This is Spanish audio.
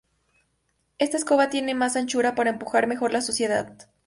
Esta escoba tiene más anchura para empujar mejor la suciedad.